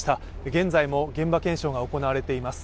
現在も現場検証が行われています。